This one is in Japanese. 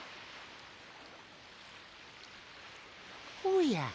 おや？